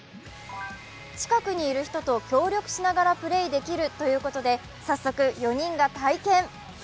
近くにいる人と協力しながらプレーできるということで早速、４人が体験。